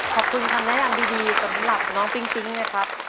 ขอบคุณคำนะอย่างดีสำหรับน้องปิ๊งเนี่ยครับ